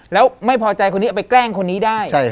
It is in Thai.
แล้วไม่พอใจคนนี้เอาไปแกล้งคนนี้ได้